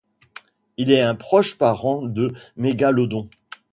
Il est un proche parent de mégalodon.